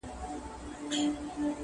چي تېر سوه، هغه هېر سوه.